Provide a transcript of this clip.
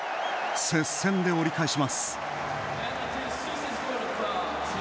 接戦で折り返します。